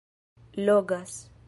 logas